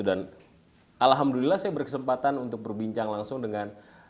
dan alhamdulillah saya berkesempatan untuk berbincang langsung dengan